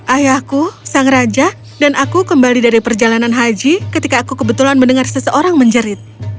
ayahku sang raja dan aku kembali dari perjalanan haji ketika aku kebetulan mendengar seseorang menjerit